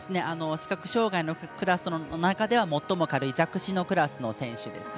視覚障がい者のクラスの中では最も軽い弱視のクラスの選手です。